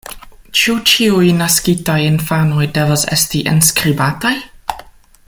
Ĉu ĉiuj naskitaj infanoj devas esti enskribataj?